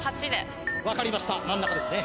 分かりました真ん中ですね